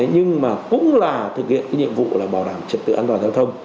nhưng mà cũng là thực hiện cái nhiệm vụ là bảo đảm trật tự an toàn giao thông